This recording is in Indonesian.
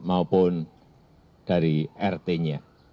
maupun dari rt nya